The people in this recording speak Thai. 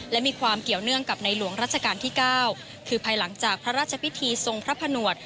และมีความเกี่ยวเนื่องกับในหลวงรัชกาลที่๙คือภายหลังจากพระราชพิธีทรงพระผนวด